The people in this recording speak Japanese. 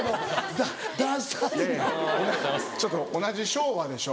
ちょっと同じ昭和でしょ。